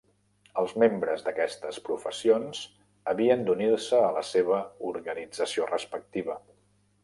Els membres d'aquestes professions havien d'unir-se a la seva organització respectiva.